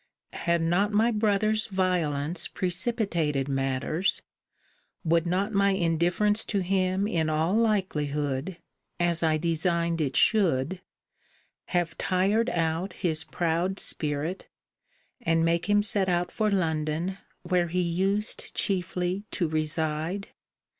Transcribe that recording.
Had not my brother's violence precipitated matters, would not my indifference to him in all likelihood (as I designed it should) have tired out his proud spirit,* and make him set out for London, where he used chiefly to reside?